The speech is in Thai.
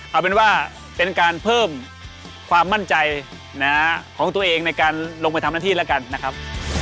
เอาเป็นว่าเป็นการเพิ่มความมั่นใจของตัวเองในการลงไปทำหน้าที่แล้วกันนะครับ